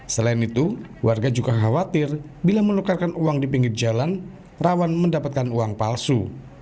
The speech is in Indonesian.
selain itu warga juga khawatir bila menukarkan uang di pinggir jalan rawan mendapatkan uang palsu